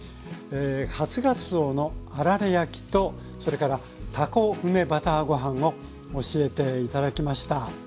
「初がつおのあられ焼き」とそれから「たこ梅バターご飯」を教えて頂きました。